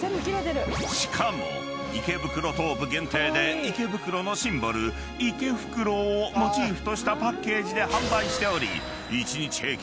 ［しかも池袋東武限定で池袋のシンボルいけふくろうをモチーフとしたパッケージで販売しており］